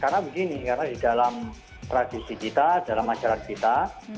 karena begini karena di dalam tradisi kita dalam masyarakat kita